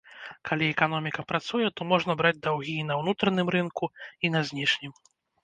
Калі эканоміка працуе, то можна браць даўгі і на ўнутраным рынку, і на знешнім.